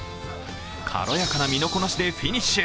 軽やかな身のこなしでフィニッシュ。